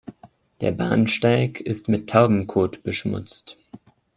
Der Bahnsteig ist mit Taubenkot beschmutzt.